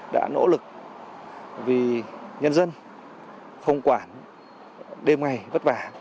đã nỗ lực vì nhân dân không quản đêm ngày vất vả